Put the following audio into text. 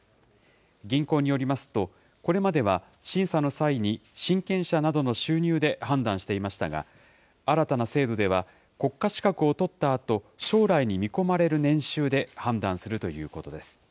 銀行によりますと、これまでは審査の際に、親権者などの収入で判断していましたが、新たな制度では、国家資格を取ったあと、将来に見込まれる年収で判断するということです。